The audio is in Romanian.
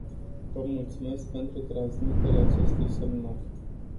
Vă mulțumesc pentru transmiterea acestui semnal.